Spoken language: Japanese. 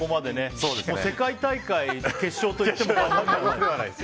世界大会決勝といっても過言ではない。